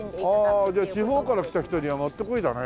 じゃあ地方から来た人にはもってこいだね。